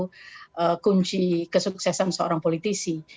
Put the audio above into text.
itu kunci kesuksesan seorang politisi